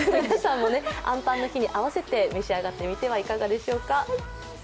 皆さんもあんぱんの日に合わせて召し上がってみてはいかがでしょうか。